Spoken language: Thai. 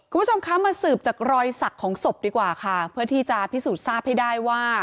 คุณผู้ชมคะมาสืบจากรอยสักของศพดีกว่าค่ะเพื่อที่จะพิสูจน์ทราบให้ได้ว่า